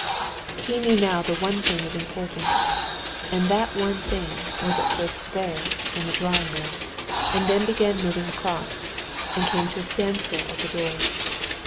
He knew now the one thing of importance; and that one thing was at first there, in the drawing room, and then began moving across and came to a standstill at the door.